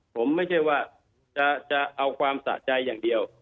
ผมไม่ใช่ว่าจะเอาความสะใจอย่างเดียว